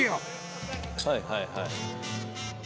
はいはいはい。